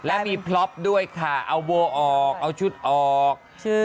และมีพล็อปด้วยค่ะเอาโวออกเอาชุดออก